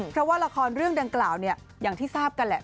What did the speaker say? เพราะว่าละครเรื่องดังกล่าวเนี่ยอย่างที่ทราบกันแหละ